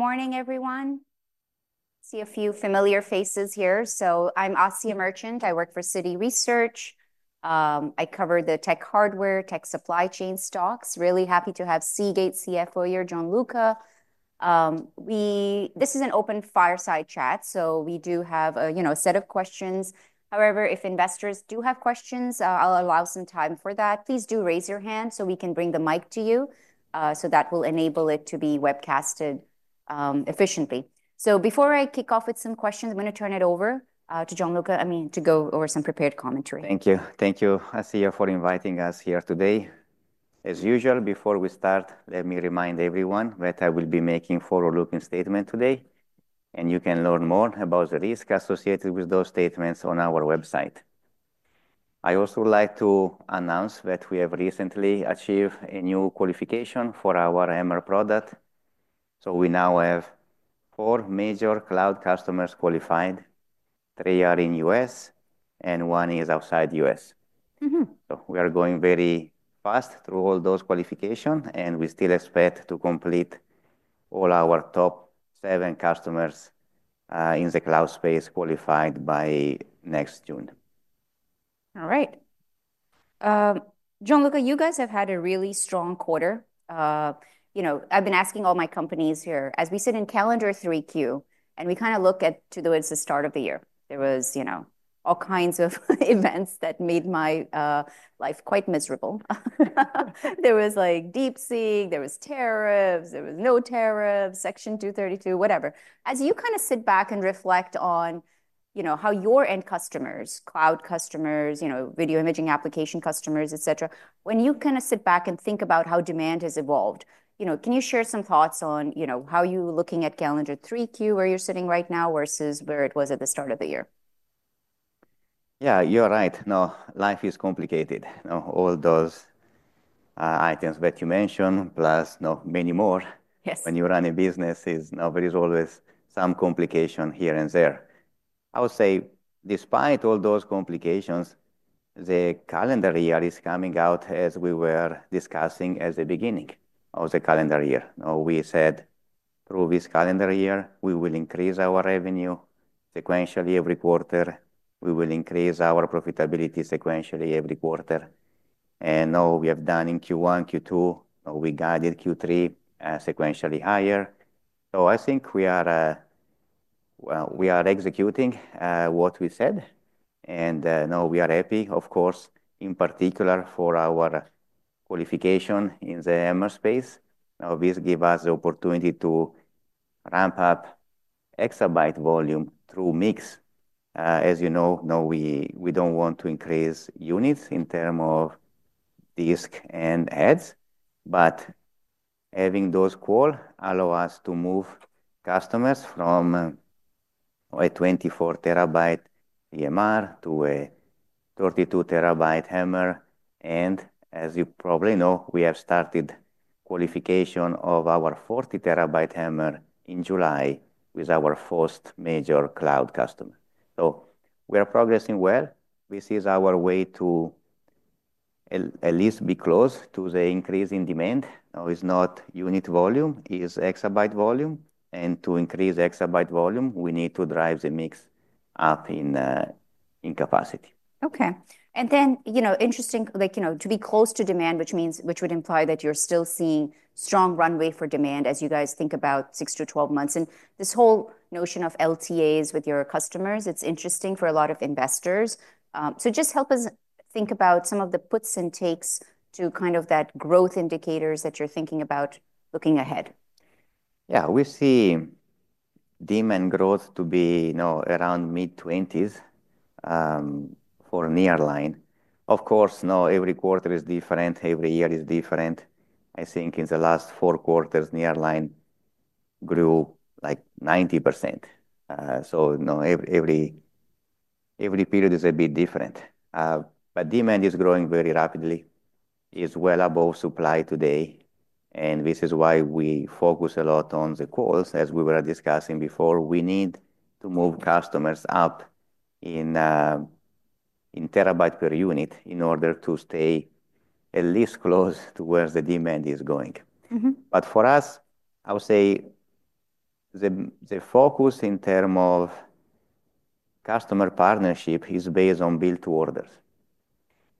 Good morning, everyone. See a few familiar faces here. So I'm Asiya Merchant. I work for Citi Research. I cover the tech hardware, tech supply chain stocks. Really happy to have Seagate CFO here, Gianluca Romano. This is an open fireside chat, so we do have, you know, a set of questions. However, if investors do have questions, I'll allow some time for that. Please do raise your hand so we can bring the mic to you, so that will enable it to be webcasted efficiently. So before I kick off with some questions, I'm going to turn it over to Gianluca Romano, I mean, to go over some prepared commentary. Thank you. Thank you, Asiya, for inviting us here today. As usual, before we start, let me remind everyone that I will be making a forward-looking statement today, and you can learn more about the risks associated with those statements on our website. I also would like to announce that we have recently achieved a new qualification for our HAMR product. So we now have four major cloud customers qualified. Three are in the U.S., and one is outside the U.S. So we are going very fast through all those qualifications, and we still expect to complete all our top seven customers in the cloud space qualified by next June. All right. Gianluca Romano, you guys have had a really strong quarter. You know, I've been asking all my companies here, as we sit in calendar 3Q, and we kind of look at, to though it's the start of the year, there was, you know, all kinds of events that made my life quite miserable. There was like D.C., there was tariffs, there was no tariffs, Section 232, whatever. As you kind of sit back and reflect on, you know, how your end customers, cloud customers, you know, video imaging application customers, et cetera, when you kind of sit back and think about how demand has evolved, you know, can you share some thoughts on, you know, how you're looking at calendar 3Q, where you're sitting right now versus where it was at the start of the year? Yeah, you're right. No, life is complicated. No, all those items that you mentioned, plus, no, many more. Yes. When you run a business, there is always some complication here and there. I would say, despite all those complications, the calendar year is coming out, as we were discussing at the beginning of the calendar year. No, we said through this calendar year, we will increase our revenue sequentially every quarter. We will increase our profitability sequentially every quarter. And no, we have done in Q1, Q2, we guided Q3 sequentially higher. So I think we are executing what we said. And no, we are happy, of course, in particular for our qualification in the HAMR space. Now, this gives us the opportunity to ramp up exabyte volume through mix. As you know, no, we don't want to increase units in terms of disk and heads. But having those quals allow us to move customers from a 24-terabyte PMR to a 32-terabyte HAMR. And as you probably know, we have started qualification of our 40-terabyte HAMR in July with our first major cloud customer. So we are progressing well. This is our way to at least be close to the increase in demand. No, it's not unit volume, it's exabyte volume. And to increase exabyte volume, we need to drive the mix up in capacity. Okay. And then, you know, interesting, like, you know, to be close to demand, which means, which would imply that you're still seeing strong runway for demand as you guys think about 6-12 months. And this whole notion of LTAs with your customers, it's interesting for a lot of investors. So just help us think about some of the puts and takes to kind of that growth indicators that you're thinking about looking ahead? Yeah, we see demand growth to be, you know, around mid-20s for nearline. Of course, no, every quarter is different. Every year is different. I think in the last four quarters, nearline grew like 90%. So no, every period is a bit different. But demand is growing very rapidly. It's well above supply today. And this is why we focus a lot on the quals as we were discussing before. We need to move customers up in terabyte per unit in order to stay at least close to where the demand is going. But for us, I would say the focus in terms of customer partnership is based on build-to-orders.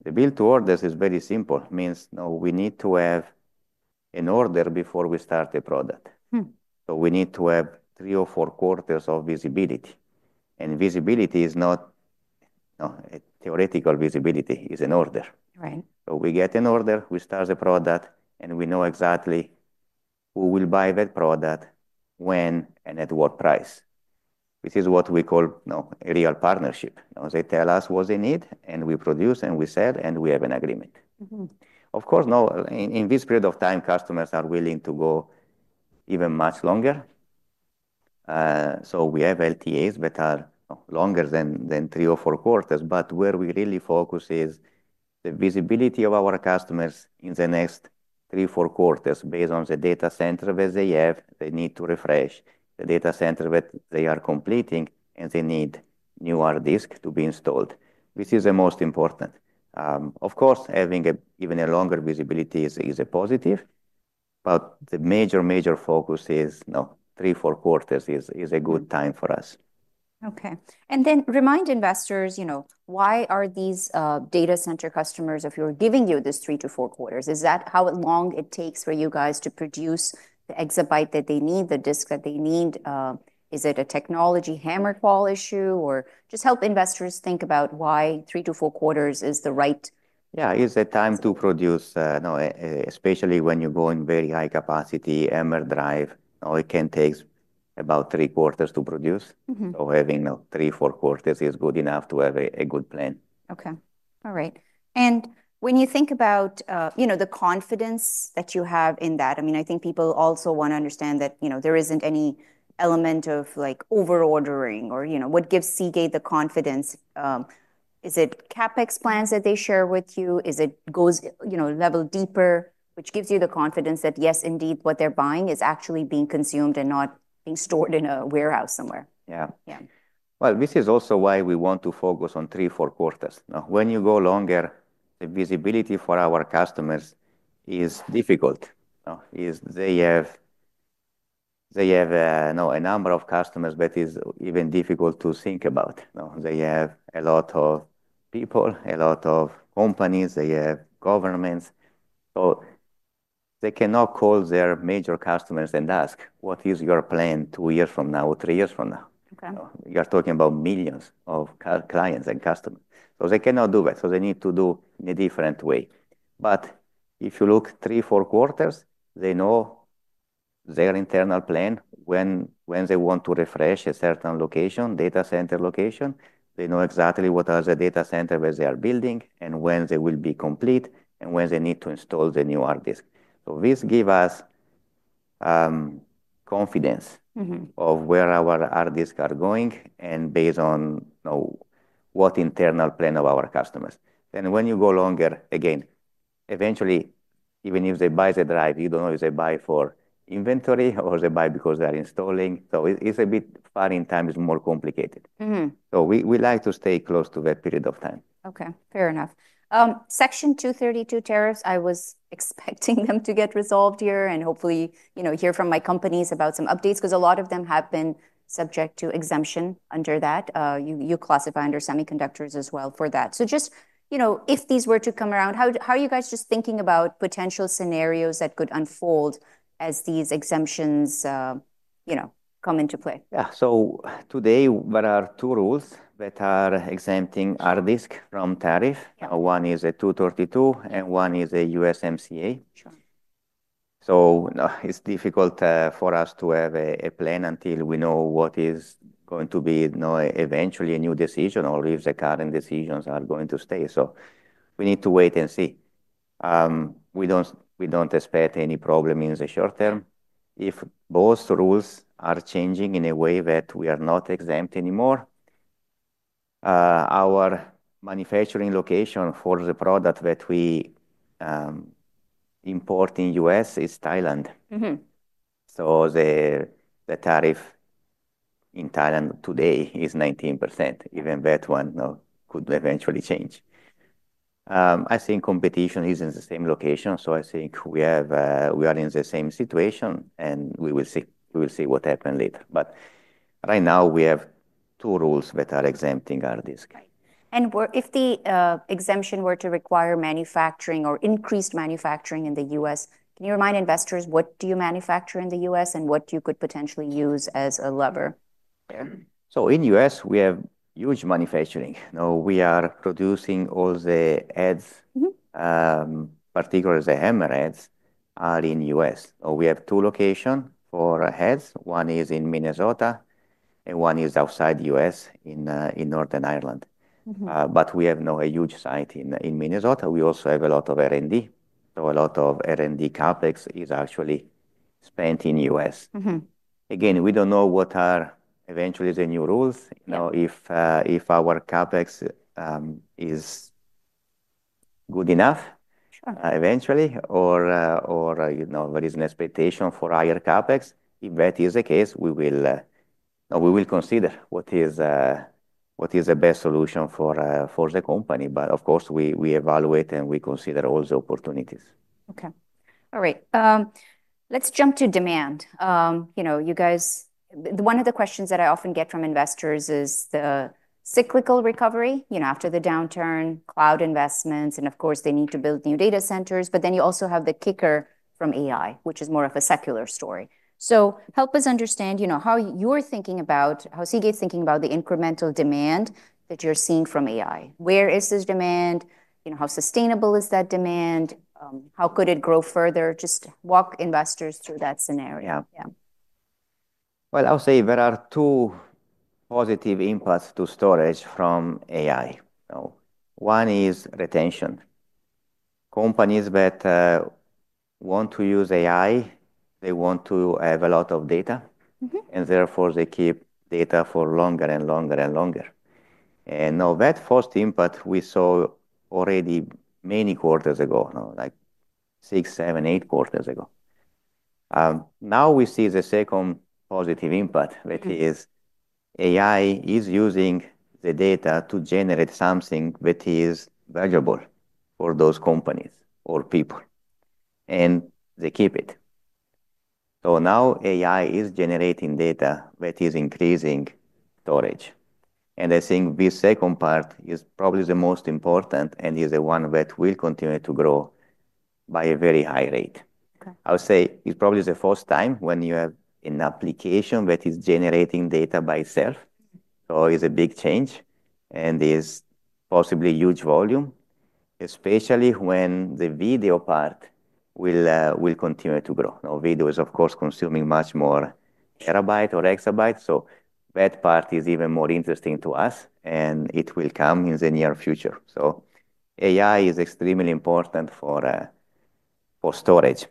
The build-to-orders is very simple. It means we need to have an order before we start a product. So we need to have three or four quarters of visibility. And visibility is not, no, theoretical visibility is an order. Right. So we get an order, we start the product, and we know exactly who will buy that product, when, and at what price. This is what we call a real partnership. They tell us what they need, and we produce, and we sell, and we have an agreement. Of course, no, in this period of time, customers are willing to go even much longer. So we have LTAs that are longer than three or four quarters. But where we really focus is the visibility of our customers in the next three, four quarters based on the data center that they have. They need to refresh the data center that they are completing, and they need new hard disk to be installed, which is the most important. Of course, having even a longer visibility is a positive. But the major, major focus is, no, three, four quarters is a good time for us. Okay. And then remind investors, you know, why are these data center customers, if you're giving them this three to four quarters, is that how long it takes for you guys to produce the exabyte that they need, the disk that they need? Is it a technology HAMR qual issue or just help investors think about why three to four quarters is the right? Yeah, it's a time to produce, especially when you're going very high capacity HAMR drive. It can take about three quarters to produce. So having three, four quarters is good enough to have a good plan. Okay. All right. And when you think about, you know, the confidence that you have in that, I mean, I think people also want to understand that, you know, there isn't any element of like over-ordering or, you know, what gives Seagate the confidence? Is it CapEx plans that they share with you? Is it goes, you know, level deeper, which gives you the confidence that yes, indeed, what they're buying is actually being consumed and not being stored in a warehouse somewhere? Yeah. Yeah. This is also why we want to focus on three, four quarters. When you go longer, the visibility for our customers is difficult. They have a number of customers that is even difficult to think about. They have a lot of people, a lot of companies, they have governments. So they cannot call their major customers and ask, "What is your plan two years from now or three years from now? Okay. You're talking about millions of clients and customers. So they cannot do it. So they need to do in a different way. But if you look three, four quarters, they know their internal plan when they want to refresh a certain location, data center location. They know exactly what are the data centers where they are building and when they will be complete and when they need to install the new hard disk. So this gives us confidence of where our hard disks are going and based on what internal plan of our customers. Then when you go longer, again, eventually, even if they buy the drive, you don't know if they buy for inventory or they buy because they are installing. So it's a bit far in time, it's more complicated. So we like to stay close to that period of time. Okay. Fair enough. Section 232 tariffs, I was expecting them to get resolved here and hopefully, you know, hear from my companies about some updates because a lot of them have been subject to exemption under that. You classify under semiconductors as well for that? So just, you know, if these were to come around, how are you guys just thinking about potential scenarios that could unfold as these exemptions, you know, come into play? Yeah. Today, there are two rules that are exempting hard disk from tariff. One is a 232 and one is a USMCA. Sure. So it's difficult for us to have a plan until we know what is going to be, you know, eventually a new decision or if the current decisions are going to stay. So we need to wait and see. We don't expect any problem in the short term. If both rules are changing in a way that we are not exempt anymore, our manufacturing location for the product that we import in the U.S. is Thailand. So the tariff in Thailand today is 19%. Even that one could eventually change. I think competition is in the same location. So I think we are in the same situation and we will see what happens later. But right now, we have two rules that are exempting our disk. If the exemption were to require manufacturing or increased manufacturing in the U.S., can you remind investors, what do you manufacture in the U.S. and what you could potentially use as a lever? In the U.S., we have huge manufacturing. We are producing all the heads. Particularly the HAMR heads are in the U.S. We have two locations for heads. One is in Minnesota and one is outside the U.S. in Northern Ireland. But we have a huge site in Minnesota. We also have a lot of R&D. A lot of R&D CapEx is actually spent in the U.S. Again, we don't know what are eventually the new rules. If our CapEx is good enough eventually, or there is an expectation for higher CapEx, if that is the case, we will consider what is the best solution for the company. But of course, we evaluate and we consider all the opportunities. Okay. All right. Let's jump to demand. You know, you guys, one of the questions that I often get from investors is the cyclical recovery, you know, after the downturn, cloud investments, and of course, they need to build new data centers. But then you also have the kicker from AI, which is more of a secular story. So help us understand, you know, how you're thinking about, how Seagate's thinking about the incremental demand that you're seeing from AI. Where is this demand? You know, how sustainable is that demand? How could it grow further? Just walk investors through that scenario. Yeah. I'll say there are two positive impacts to storage from AI. One is retention. Companies that want to use AI, they want to have a lot of data. And therefore, they keep data for longer and longer and longer. And now that first impact, we saw already many quarters ago, like six, seven, eight quarters ago. Now we see the second positive impact, which is AI is using the data to generate something that is valuable for those companies or people. And they keep it. So now AI is generating data that is increasing storage. And I think this second part is probably the most important and is the one that will continue to grow by a very high rate. I would say it's probably the first time when you have an application that is generating data by itself. So it's a big change and is possibly huge volume, especially when the video part will continue to grow. Video is, of course, consuming much more terabyte or exabyte. So that part is even more interesting to us and it will come in the near future. So AI is extremely important for storage.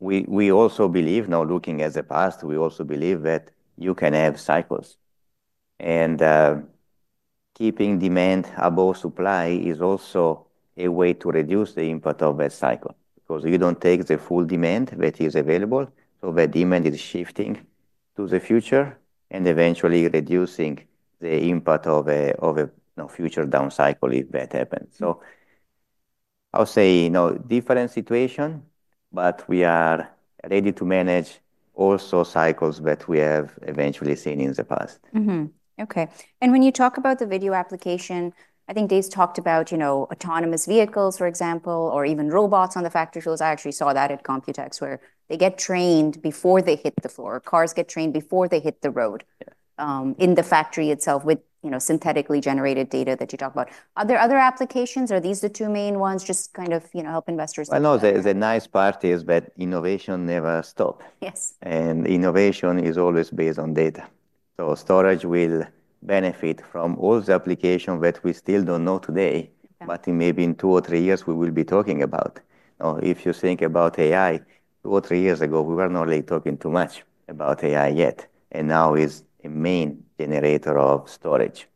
We also believe, now looking at the past, we also believe that you can have cycles. And keeping demand above supply is also a way to reduce the impact of that cycle because you don't take the full demand that is available. So that demand is shifting to the future and eventually reducing the impact of a future down cycle if that happens. So I'll say, you know, different situation, but we are ready to manage also cycles that we have eventually seen in the past. Okay. And when you talk about the video application, I think Dave's talked about, you know, autonomous vehicles, for example, or even robots on the factory floors. I actually saw that at Computex where they get trained before they hit the floor. Cars get trained before they hit the road in the factory itself with, you know, synthetically generated data that you talk about. Are there other applications? Are these the two main ones? Just kind of, you know, help investors. I know the nice part is that innovation never stops. Yes. And innovation is always based on data. So storage will benefit from all the applications that we still don't know today, but maybe in two or three years, we will be talking about. If you think about AI, two or three years ago, we were not really talking too much about AI yet. And now it's a main generator of storage.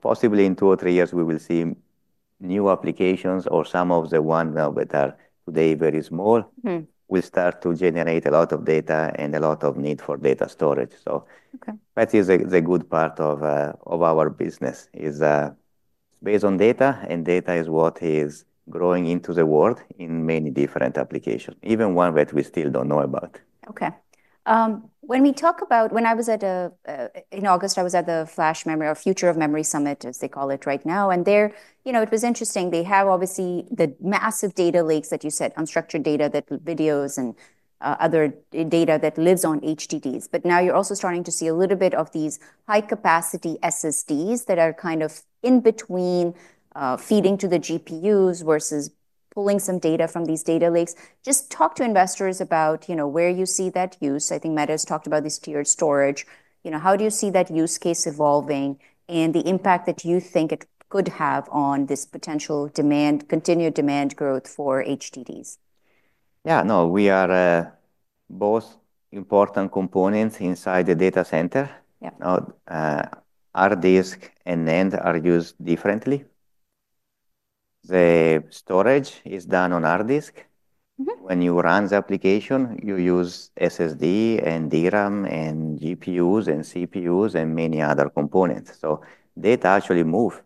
Possibly in two or three years, we will see new applications or some of the ones that are today very small will start to generate a lot of data and a lot of need for data storage. So that is the good part of our business is based on data, and data is what is growing into the world in many different applications, even one that we still don't know about. Okay. When we talk about, when I was at a, in August, I was at the Flash Memory or Future of Memory Summit, as they call it right now. And there, you know, it was interesting. They have obviously the massive data lakes that you said, unstructured data, that videos and other data that lives on HDDs. But now you're also starting to see a little bit of these high-capacity SSDs that are kind of in between feeding to the GPUs versus pulling some data from these data lakes. Just talk to investors about, you know, where you see that use. I think Matt has talked about this tiered storage. You know, how do you see that use case evolving and the impact that you think it could have on this potential demand, continued demand growth for HDDs? Yeah, no, we are both important components inside the data center. Hard disk and NAND are used differently. The storage is done on hard disk. When you run the application, you use SSD and DRAM and GPUs and CPUs and many other components. So data actually moves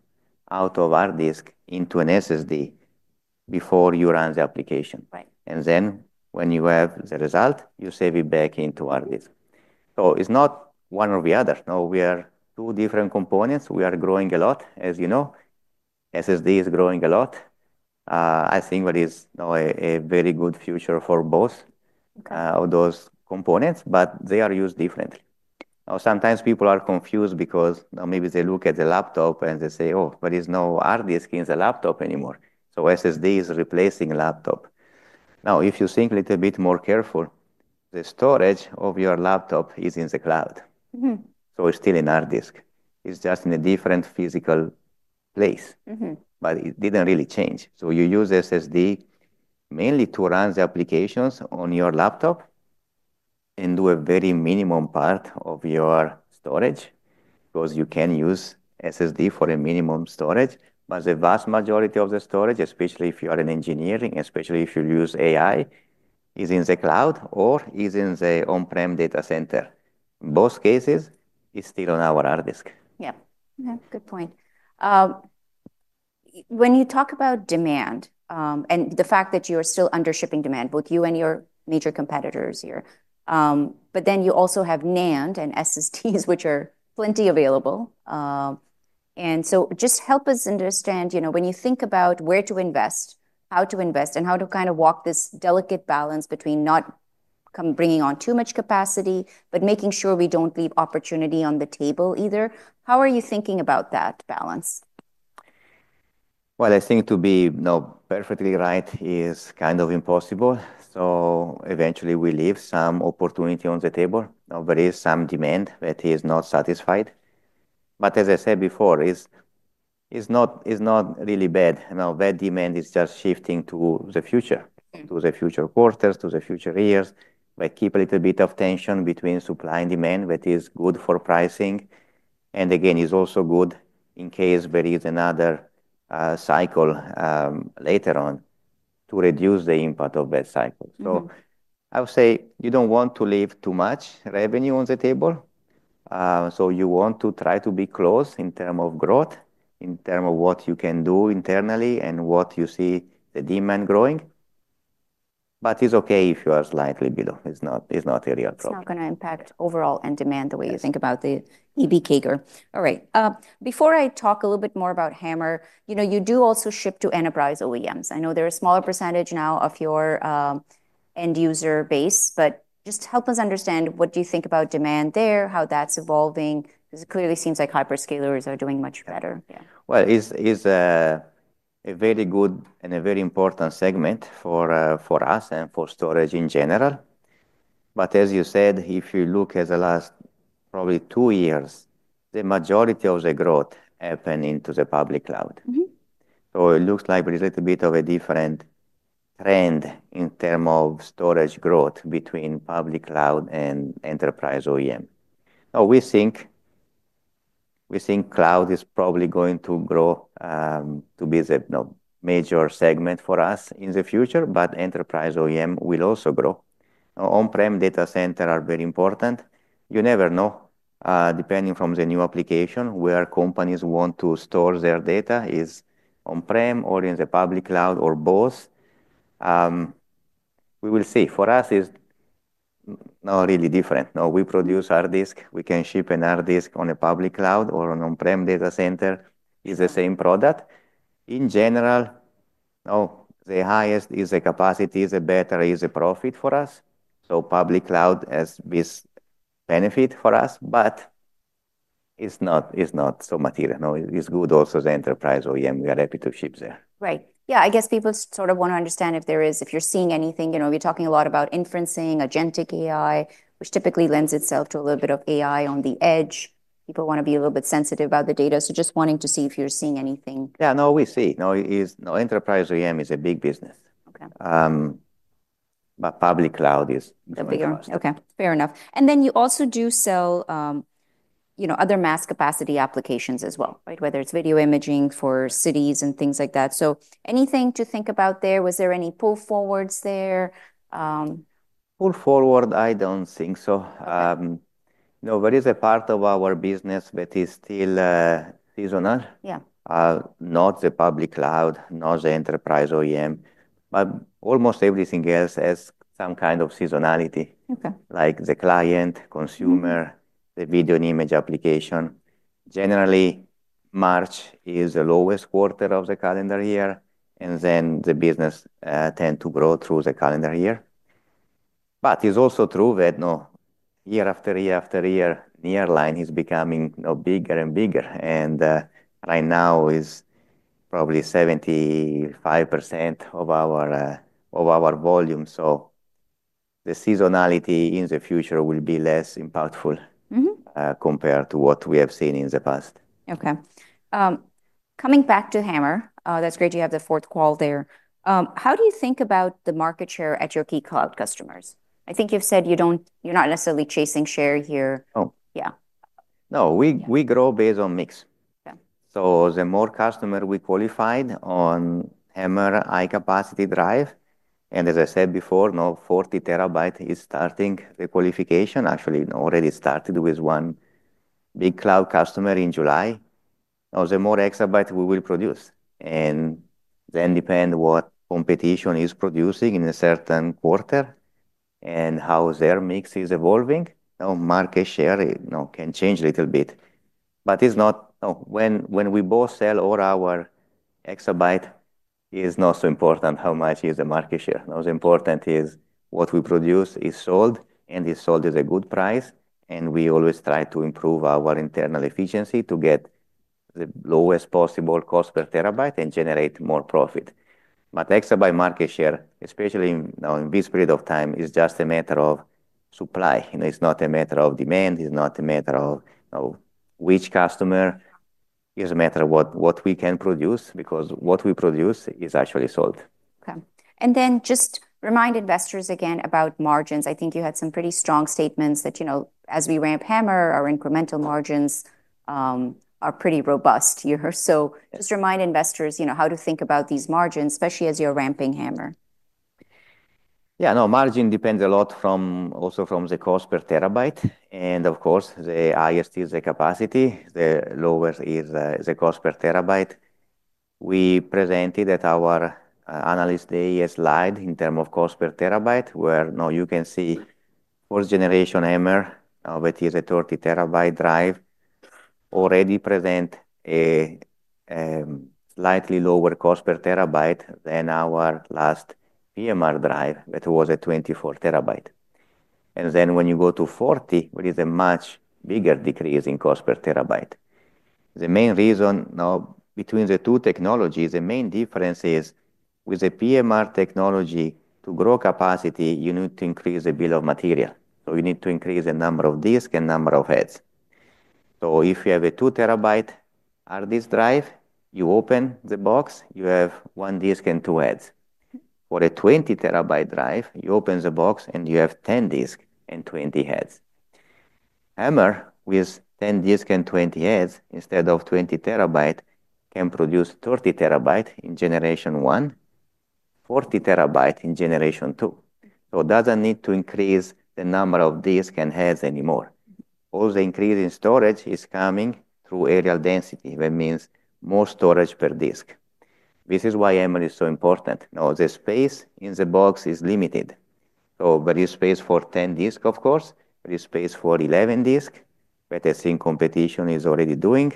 out of hard disk into an SSD before you run the application. And then when you have the result, you save it back into hard disk. So it's not one or the other. No, we are two different components. We are growing a lot, as you know. SSD is growing a lot. I think that is a very good future for both of those components, but they are used differently. Sometimes people are confused because maybe they look at the laptop and they say, "Oh, there is no hard disk in the laptop anymore." So SSD is replacing laptop. Now, if you think a little bit more careful, the storage of your laptop is in the cloud. So it's still in hard disk. It's just in a different physical place, but it didn't really change. So you use SSD mainly to run the applications on your laptop and do a very minimum part of your storage because you can use SSD for a minimum storage. But the vast majority of the storage, especially if you are in engineering, especially if you use AI, is in the cloud or is in the on-prem data center. In both cases, it's still on our hard disk. Yeah. Good point. When you talk about demand and the fact that you are still under shipping demand, both you and your major competitors here, but then you also have NAND and SSDs, which are plenty available. And so just help us understand, you know, when you think about where to invest, how to invest, and how to kind of walk this delicate balance between not bringing on too much capacity, but making sure we don't leave opportunity on the table either. How are you thinking about that balance? I think to be perfectly right is kind of impossible, so eventually we leave some opportunity on the table. There is some demand that is not satisfied, but as I said before, it's not really bad. That demand is just shifting to the future, to the future quarters, to the future years, but keep a little bit of tension between supply and demand that is good for pricing, and again, it's also good in case there is another cycle later on to reduce the impact of that cycle, so I would say you don't want to leave too much revenue on the table, so you want to try to be close in terms of growth, in terms of what you can do internally and what you see the demand growing, but it's okay if you are slightly below. It's not a real problem. It's not going to impact overall end demand the way you think about the Exabyte CAGR. All right. Before I talk a little bit more about HAMR, you know, you do also ship to enterprise OEMs. I know there is a smaller percentage now of your end user base, but just help us understand what do you think about demand there, how that's evolving. Because it clearly seems like hyperscalers are doing much better. It's a very good and a very important segment for us and for storage in general. But as you said, if you look at the last probably two years, the majority of the growth happened into the public cloud. So it looks like there is a little bit of a different trend in terms of storage growth between public cloud and enterprise OEM. Now, we think cloud is probably going to grow to be the major segment for us in the future, but enterprise OEM will also grow. On-prem data centers are very important. You never know. Depending from the new application, where companies want to store their data is on-prem or in the public cloud or both. We will see. For us, it's not really different. We produce hard disk. We can ship a hard disk on a public cloud or an on-prem data center. It's the same product. In general, the highest is the capacity, the better is the profit for us. So public cloud has this benefit for us, but it's not so material. It's good also the enterprise OEM. We are happy to ship there. Right. Yeah. I guess people sort of want to understand if there is, if you're seeing anything, you know, we're talking a lot about inferencing, agentic AI, which typically lends itself to a little bit of AI on the edge. People want to be a little bit sensitive about the data. So just wanting to see if you're seeing anything? Yeah, no, we see. Enterprise OEM is a big business. But public cloud is going to be a huge one. Okay. Fair enough and then you also do sell, you know, other mass capacity applications as well, right? Whether it's video imaging for cities and things like that, so anything to think about there? Was there any pull forwards there? Pull forward, I don't think so. No, there is a part of our business that is still seasonal. Not the public cloud, not the enterprise OEM, but almost everything else has some kind of seasonality, like the client, consumer, the video and image application. Generally, March is the lowest quarter of the calendar year, and then the business tends to grow through the calendar year. But it's also true that year after year after year, the nearline is becoming bigger and bigger. And right now, it's probably 75% of our volume. So the seasonality in the future will be less impactful compared to what we have seen in the past. Okay. Coming back to HAMR, that's great. You have the fourth call there. How do you think about the market share at your key cloud customers? I think you've said you're not necessarily chasing share here. Oh, yeah. No, we grow based on mix. So the more customers we qualified on HAMR high-capacity drive, and as I said before, now 40 terabyte is starting the qualification. Actually, already started with one big cloud customer in July. The more exabyte we will produce, and then depend what competition is producing in a certain quarter and how their mix is evolving. Market share can change a little bit. But it's not when we both sell all our exabyte, it's not so important how much is the market share. What's important is what we produce is sold, and it's sold at a good price. And we always try to improve our internal efficiency to get the lowest possible cost per terabyte and generate more profit. But exabyte market share, especially in this period of time, is just a matter of supply. It's not a matter of demand. It's not a matter of which customer. It's a matter of what we can produce because what we produce is actually sold. Okay. And then just remind investors again about margins. I think you had some pretty strong statements that, you know, as we ramp HAMR, our incremental margins are pretty robust here. So just remind investors, you know, how to think about these margins, especially as you're ramping HAMR. Yeah, no, margin depends a lot also from the cost per terabyte. And of course, the higher is the capacity, the lower is the cost per terabyte. We presented at our analyst day a slide in terms of cost per terabyte where you can see fourth-generation HAMR, which is a 30-terabyte drive, already present a slightly lower cost per terabyte than our last PMR drive that was a 24-terabyte. And then when you go to 40, there is a much bigger decrease in cost per terabyte. The main reason now between the two technologies, the main difference is with the PMR technology, to grow capacity, you need to increase the bill of material. So you need to increase the number of disks and number of heads. So if you have a two-terabyte hard disk drive, you open the box, you have one disk and two heads. For a 20-terabyte drive, you open the box and you have 10 disks and 20 heads. HAMR with 10 disks and 20 heads instead of 20 terabyte can produce 30-terabyte in generation one, 40-terabyte in generation two. So it doesn't need to increase the number of disks and heads anymore. All the increase in storage is coming through areal density, which means more storage per disk. This is why HAMR is so important. The space in the box is limited. So there is space for 10 disks, of course. There is space for 11 disks, but I think competition is already doing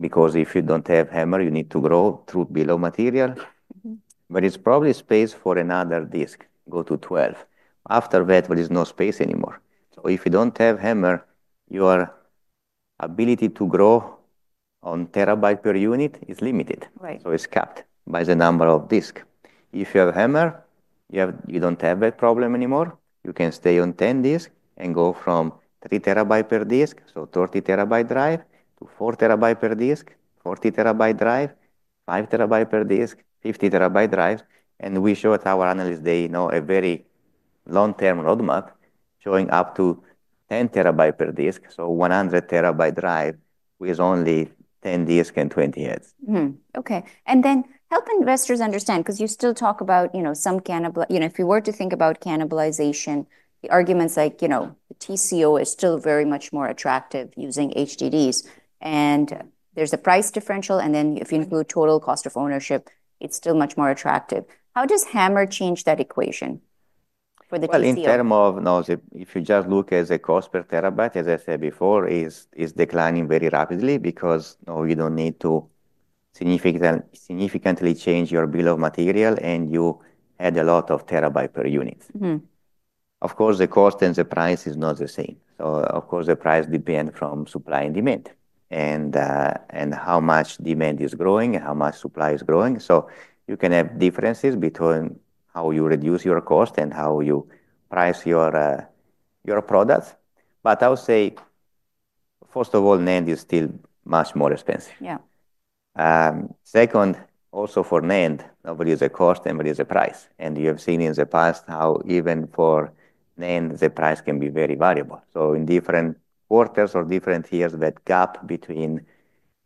because if you don't have HAMR, you need to grow through bill of materials. But it's probably space for another disk, go to 12. After that, there is no space anymore. So if you don't have HAMR, your ability to grow on terabyte per unit is limited. So it's capped by the number of disks. If you have HAMR, you don't have that problem anymore. You can stay on 10 disks and go from 3 terabyte per disk, so 30 terabyte drive, to 4 terabyte per disk, 40 terabyte drive, 5 terabyte per disk, 50 terabyte drive. And we showed our analysts a very long-term roadmap showing up to 10 terabyte per disk, so 100 terabyte drive with only 10 disks and 20 heads. Okay. And then help investors understand because you still talk about, you know, some cannibalization, you know, if you were to think about cannibalization, the arguments like, you know, the TCO is still very much more attractive using HDDs. And there's a price differential. And then if you include total cost of ownership, it's still much more attractive. How does HAMR change that equation for the TCO? In terms of, if you just look at the cost per terabyte, as I said before, it's declining very rapidly because you don't need to significantly change your bill of material and you add a lot of terabyte per unit. Of course, the cost and the price is not the same. So of course, the price depends from supply and demand and how much demand is growing and how much supply is growing. So you can have differences between how you reduce your cost and how you price your products. But I would say, first of all, NAND is still much more expensive. Yeah. Second, also for NAND, there is a cost and there is a price. And you have seen in the past how even for NAND, the price can be very variable. In different quarters or different years, that gap between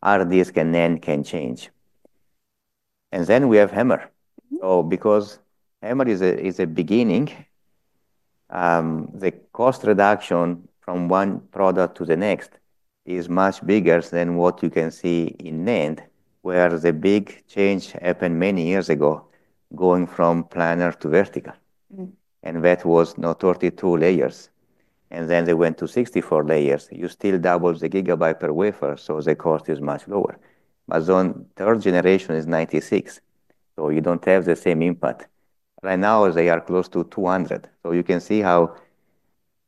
hard disk and NAND can change. And then we have HAMR. So because HAMR is a beginning, the cost reduction from one product to the next is much bigger than what you can see in NAND, where the big change happened many years ago going from planar to vertical. And that was not 32 layers. And then they went to 64 layers. You still double the gigabyte per wafer, so the cost is much lower. But on third generation is 96. So you don't have the same impact. Right now, they are close to 200. So you can see how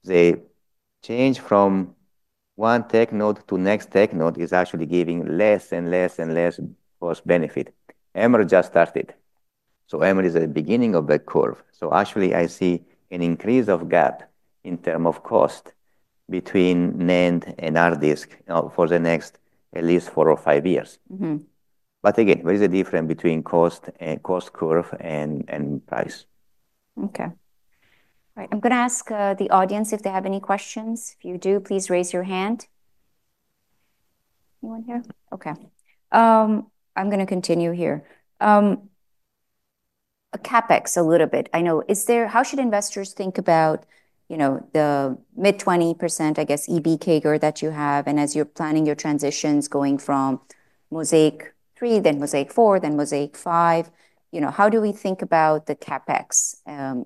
the change from one tech node to next tech node is actually giving less and less and less cost benefit. HAMR just started. So HAMR is at the beginning of the curve. So actually, I see an increase of gap in terms of cost between NAND and hard disk for the next at least four or five years. But again, there is a difference between cost and cost curve and price. Okay. All right. I'm going to ask the audience if they have any questions. If you do, please raise your hand. Anyone here? Okay. I'm going to continue here. CapEx, a little bit. I know. How should investors think about, you know, the mid 20%, I guess, Exabyte CAGR that you have? And as you're planning your transitions going from Mozaic 3, then Mozaic 4, then Mozaic 5, you know, how do we think about the CapEx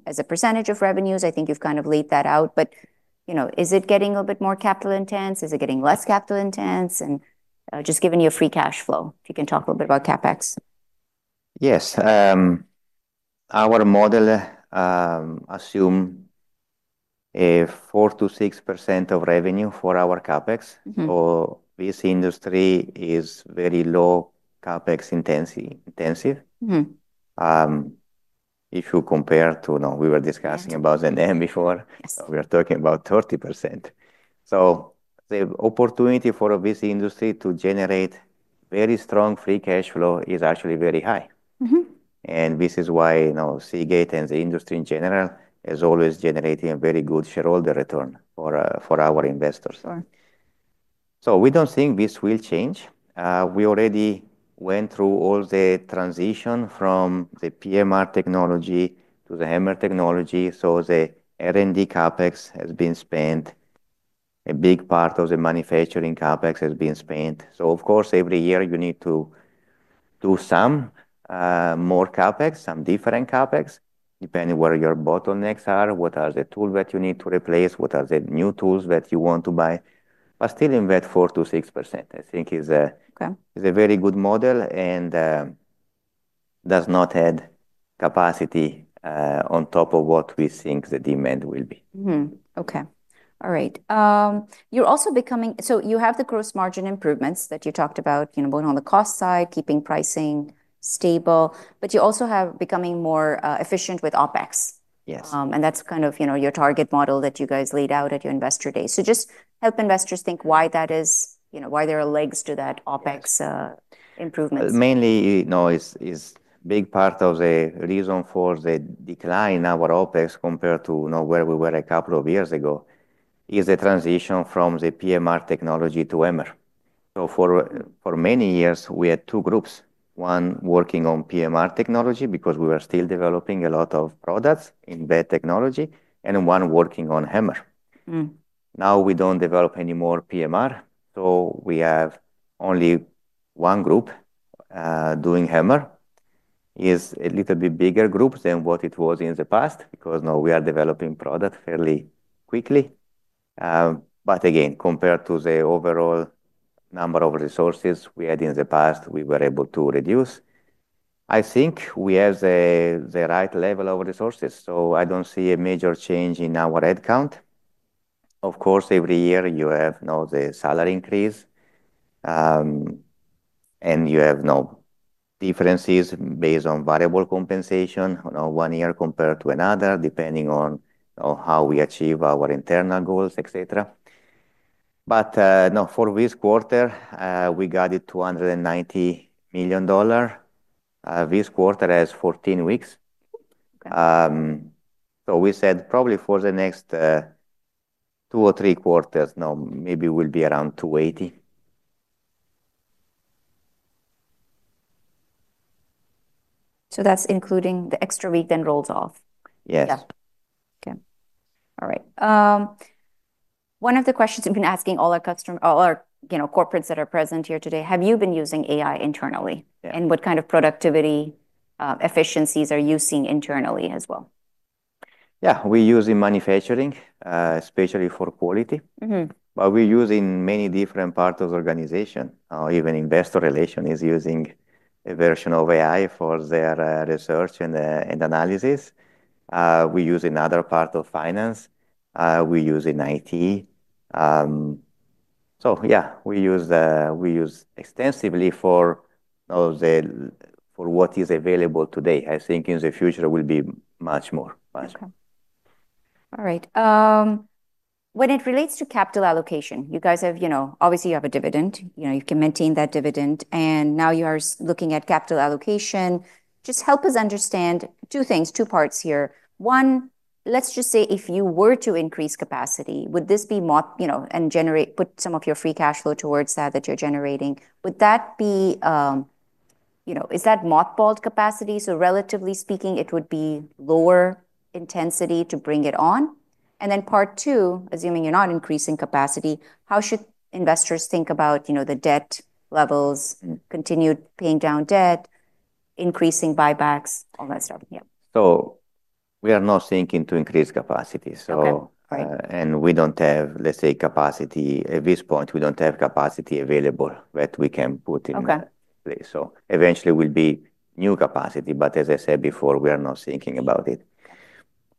as a percentage of revenues? I think you've kind of laid that out, but, you know, is it getting a little bit more capital intense? Is it getting less capital intense? And just giving you a free cash flow, if you can talk a little bit about CapEx. Yes. Our model assumes a 4%-6% of revenue for our CapEx. So this industry is very low CapEx intensive. If you compare to, you know, we were discussing about the NAND before, we are talking about 30%. So the opportunity for this industry to generate very strong free cash flow is actually very high. And this is why Seagate and the industry in general is always generating a very good shareholder return for our investors. So we don't think this will change. We already went through all the transition from the PMR technology to the HAMR technology. So the R&D CapEx has been spent. A big part of the manufacturing CapEx has been spent. So of course, every year you need to do some more CapEx, some different CapEx, depending where your bottlenecks are, what are the tools that you need to replace, what are the new tools that you want to buy. But still in that 4%-6%, I think is a very good model and does not add capacity on top of what we think the demand will be. You're also becoming, so you have the gross margin improvements that you talked about, you know, both on the cost side, keeping pricing stable, but you also have becoming more efficient with OpEx. Yes. And that's kind of, you know, your target model that you guys laid out at your investor day. So just help investors think why that is, you know, why there are legs to that OpEx improvement. Mainly, you know, is a big part of the reason for the decline in our OpEx compared to where we were a couple of years ago is the transition from the PMR technology to HAMR. So for many years, we had two groups, one working on PMR technology because we were still developing a lot of products in PMR technology and one working on HAMR. Now we don't develop any more PMR. So we have only one group doing HAMR. It's a little bit bigger group than what it was in the past because now we are developing product fairly quickly. But again, compared to the overall number of resources we had in the past, we were able to reduce. I think we have the right level of resources. So I don't see a major change in our headcount. Of course, every year you have now the salary increase and you have no differences based on variable compensation, one year compared to another, depending on how we achieve our internal goals, et cetera. But for this quarter, we got it $290 million. This quarter has 14 weeks. So we said probably for the next two or three quarters, maybe we'll be around $280 million. That's including the extra week then rolls off. Yes. Okay. All right. One of the questions I've been asking all our customers, all our corporates that are present here today, have you been using AI internally? And what kind of productivity efficiencies are you seeing internally as well? Yeah, we use in manufacturing, especially for quality. But we use in many different parts of the organization. Even Investor Relations is using a version of AI for their research and analysis. We use in other parts of finance. We use in IT. So yeah, we use extensively for what is available today. I think in the future it will be much more. Okay. All right. When it relates to capital allocation, you guys have, you know, obviously you have a dividend. You can maintain that dividend. And now you are looking at capital allocation. Just help us understand two things, two parts here. One, let's just say if you were to increase capacity, would this be and generate, put some of your free cash flow towards that that you're generating, would that be, you know, is that mothballed capacity? So relatively speaking, it would be lower intensity to bring it on. And then part two, assuming you're not increasing capacity, how should investors think about, you know, the debt levels, continued paying down debt, increasing buybacks, all that stuff? So we are not thinking to increase capacity. And we don't have, let's say, capacity at this point, we don't have capacity available that we can put in place. So eventually we'll be new capacity. But as I said before, we are not thinking about it.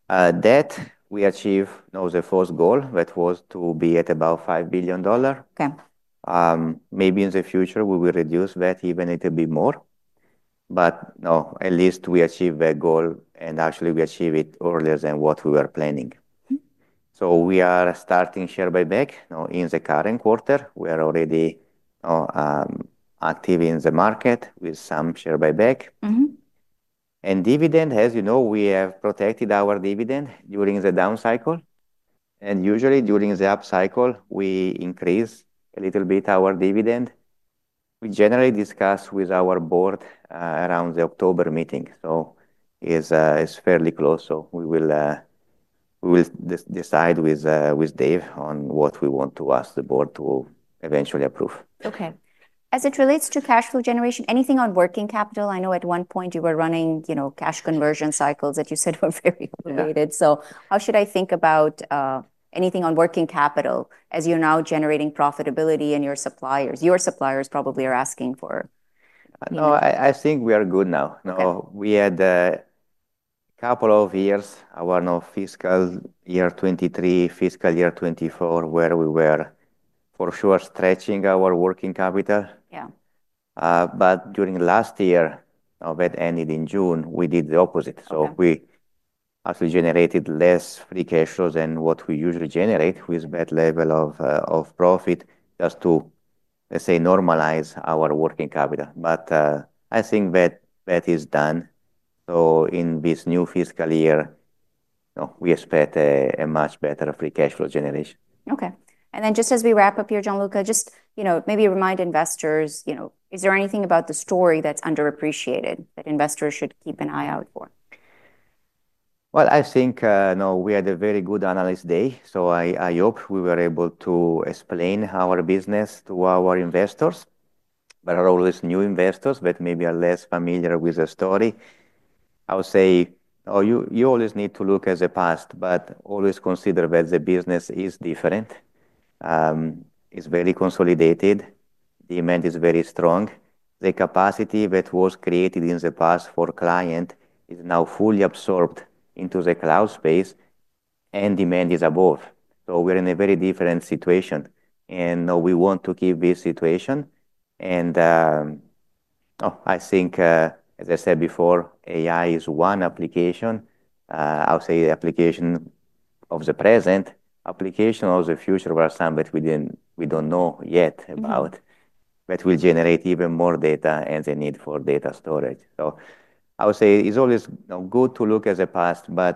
That we achieved, you know, the first goal that was to be at about $5 billion. Maybe in the future we will reduce that even a little bit more. But no, at least we achieved that goal and actually we achieved it earlier than what we were planning. So we are starting share buyback in the current quarter. We are already active in the market with some share buyback. And dividend, as you know, we have protected our dividend during the down cycle. And usually during the up cycle, we increase a little bit our dividend. We generally discuss with our board around the October meeting. So it's fairly close. So we will decide with Dave on what we want to ask the board to eventually approve. Okay. As it relates to cash flow generation, anything on working capital? I know at one point you were running, you know, cash conversion cycles that you said were very elevated. So how should I think about anything on working capital as you're now generating profitability and your suppliers? Your suppliers probably are asking for. No, I think we are good now. We had a couple of years, our fiscal year 2023, fiscal year 2024, where we were for sure stretching our working capital. Yeah. But during last year, that ended in June, we did the opposite. So we actually generated less free cash flow than what we usually generate with that level of profit just to, let's say, normalize our working capital. But I think that is done. So in this new fiscal year, we expect a much better free cash flow generation. Okay. And then just as we wrap up here, Gianluca, just, you know, maybe remind investors, you know, is there anything about the story that's underappreciated that investors should keep an eye out for? I think, you know, we had a very good analyst day. So I hope we were able to explain our business to our investors. But our oldest new investors that maybe are less familiar with the story, I would say, you always need to look at the past, but always consider that the business is different. It's very consolidated. Demand is very strong. The capacity that was created in the past for client is now fully absorbed into the cloud space and demand is above. So we're in a very different situation. And we want to keep this situation. And I think, as I said before, AI is one application. I'll say the application of the present, application of the future are some that we don't know yet about, but will generate even more data and the need for data storage. I would say it's always good to look at the past, but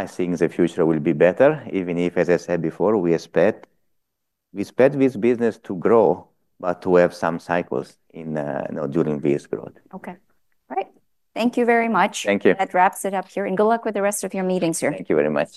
I think the future will be better, even if, as I said before, we expect this business to grow, but to have some cycles during this growth. Okay. All right. Thank you very much. Thank you. That wraps it up here, and good luck with the rest of your meetings here. Thank you very much.